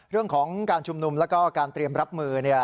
เรื่องของการชุมนุมแล้วก็การเตรียมรับมือ